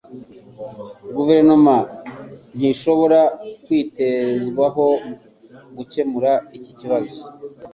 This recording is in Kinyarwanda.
Guverinoma ntishobora kwitezwaho gukemura iki kibazo